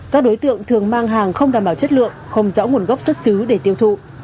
các đối tượng thường mang hàng không đảm bảo chất lượng không rõ nguồn gốc xuất xứ để tiêu thụ